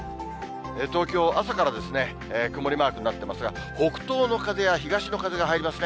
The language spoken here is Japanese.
東京、朝から曇りマークになってますが、北東の風や東の風が入りますね。